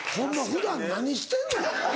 普段何してんの？